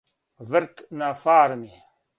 Врт на фарми.